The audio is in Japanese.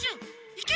いけ！